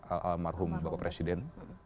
almarhum bapak presiden